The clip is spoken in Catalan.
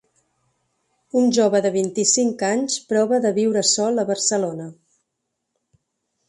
Un jove de vint-i-cinc anys prova de viure sol a Barcelona.